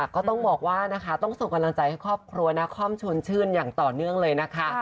ก็ต้องบอกว่านะคะต้องส่งกำลังใจให้ครอบครัวนาคอมชวนชื่นอย่างต่อเนื่องเลยนะคะ